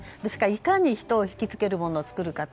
いかに人を引き付けるものを作るか。